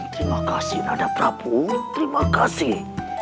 terima kasih nanda prabu terima kasih